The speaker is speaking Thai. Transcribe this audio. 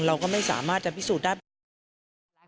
เราก็ไม่สามารถจะพิสูจน์ได้